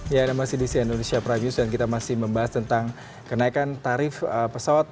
ya ada masih di si indonesia prime news dan kita masih membahas tentang kenaikan tarif pesawat